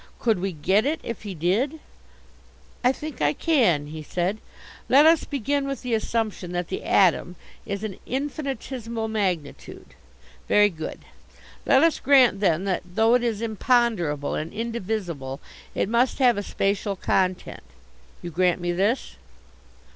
Could we get it if he did? "I think I can," he said. "Let us begin with the assumption that the atom is an infinitesimal magnitude. Very good. Let us grant, then, that though it is imponderable and indivisible it must have a spacial content? You grant me this?"